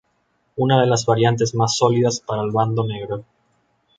Una de las variantes más sólidas para el bando negro.